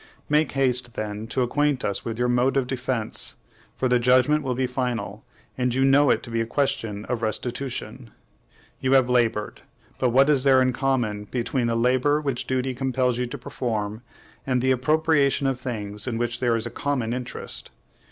Make haste, then, to acquaint us with your mode of defence, for the judgment will be final; and you know it to be a question of restitution. You have labored! but what is there in common between the labor which duty compels you to perform, and the appropriation of things in which there is a common interest?